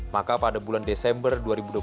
maka pada bulan desember dua ribu dua puluh satu